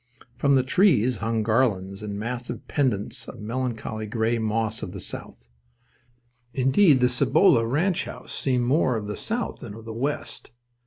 From the trees hung garlands and massive pendants of the melancholy grey moss of the South. Indeed, the Cibolo ranch house seemed more of the South than of the West.